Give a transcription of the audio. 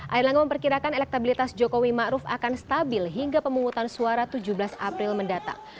air langga memperkirakan elektabilitas jokowi ⁇ maruf ⁇ akan stabil hingga pemungutan suara tujuh belas april mendatang